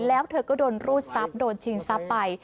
แล้วเธอก็โดนรูดซับโดนจีนซับไป